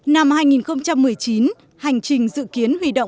năm hai nghìn một mươi chín hành trình dự kiến huy động một trăm hai mươi tám